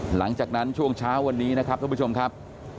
หลังจากนั้นช่วงเช้าวันนี้นะครับท่านผู้ชมครับ